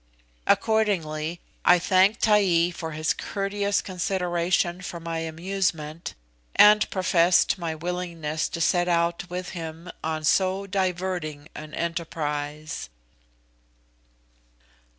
Accordingly, I thanked Taee for his courteous consideration for my amusement, and professed my willingness to set out with him on so diverting an enterprise.